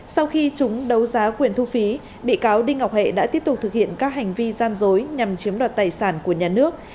sau khi chúng đấu giá quyền thu phí bị cáo đinh ngọc hệ đã tiếp tục thực hiện các hành vi gian dối nhằm chiếm đoạt tài sản của nhà nước